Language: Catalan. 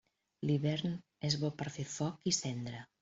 L'hivern és bo per fer foc i cendra.